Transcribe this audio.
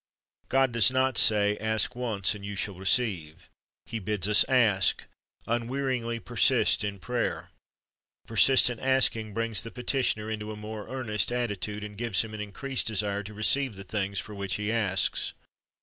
God does not say. Ask once, and you shall receive. He bids us ask. Unwearyingly persist in prayer. The persistent asking brings the petitioner into a more earnest attitude, and gives him an increased desire to receive the things for which he asks.